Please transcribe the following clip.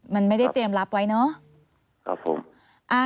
มันไม่ได้เตรียมรับไว้เนาะ